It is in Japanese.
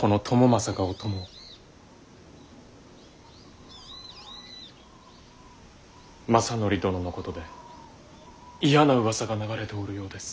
政範殿のことで嫌なうわさが流れておるようです。